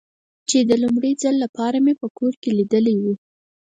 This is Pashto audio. چې د لومړي ځل له پاره مې په کور کې لیدلی و.